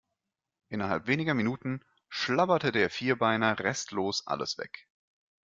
Innerhalb weniger Minuten schlabberte der Vierbeiner restlos alles weg.